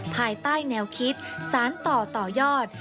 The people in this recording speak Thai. ภายใต้แนวคิดสารต่อต่อยอด